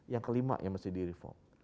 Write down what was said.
yang kelima yang mesti direvo